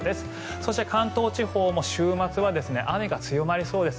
そして関東地方も週末は雨が強まりそうです。